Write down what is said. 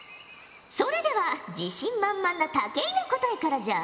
それでは自信満々な武井の答えからじゃ。